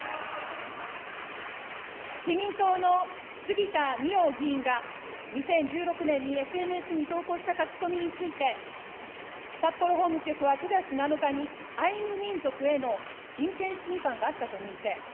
自民党の杉田水脈議員が２０１６年にＳＮＳに投稿した書き込みについて、札幌法務局は９月７日にアイヌ民族への人権侵犯があったと認定。